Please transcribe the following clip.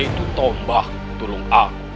yaitu tombah tulung agung